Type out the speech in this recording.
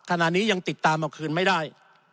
ขณะนี้ยังติดตามเอาคืนไม่ได้